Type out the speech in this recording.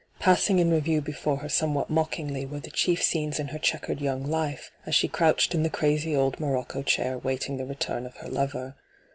Pass ing in review before her somewhat mockingly were the chief scenes in her chequered young life, as she crouched in the crazy old morocco chair waiting the return of her lover.